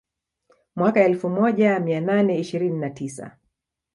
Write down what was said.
Mwaka wa elfu moja mia nane ishirini na tisa